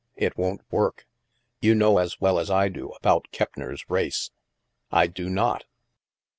It won't work. You know as well as I do about Keppner's race." " I do not."